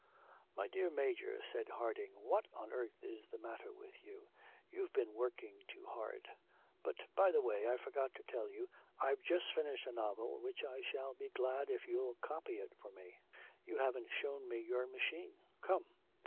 'My dear Major,' said Harding, 'what on earth is the matter with you? You've been working too hard.... But, by the way, I forgot to tell you I've just finished a novel which I shall be glad if you'll copy it for me. You haven't shown me your machine. Come.'